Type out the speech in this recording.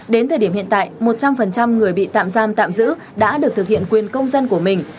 đến thời điểm hiện tại một trăm linh người bị tạm giam tạm giữ đã được thực hiện quyền công dân của mình